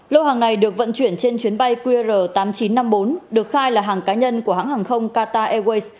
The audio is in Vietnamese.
lô hàng này được vận chuyển trên chuyến bay qr tám nghìn chín trăm năm mươi bốn được khai là hàng cá nhân của hãng hàng không qatar airways